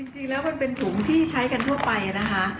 จริงแล้วมันเป็นถุงที่ใช้กันทั่วไปนะคะ